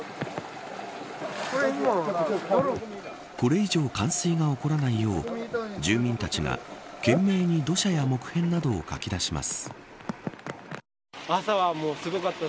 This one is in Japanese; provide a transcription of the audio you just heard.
これ以上冠水が起こらないよう住民たちが懸命に土砂や木片などをかき出します。